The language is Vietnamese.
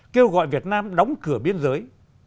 kêu gọi việt nam đóng cửa biên giới